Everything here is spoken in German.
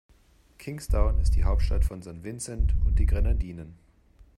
Kingstown ist die Hauptstadt von St. Vincent und die Grenadinen.